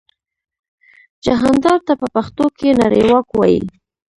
جهاندار ته په پښتو کې نړیواک وايي.